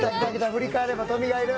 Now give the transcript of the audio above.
「“振り返ればトミがいる”！」